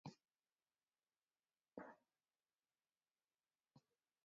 Are you troubled in the peculiar way you mention?